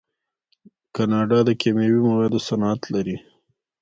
کاناډا د کیمیاوي موادو صنعت لري.